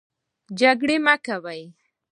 جنګرې مۀ کوئ